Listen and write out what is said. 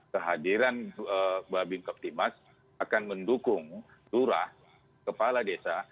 kehadiran babin kaptimas akan mendukung turah kepala desa